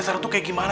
tentu kayak gimana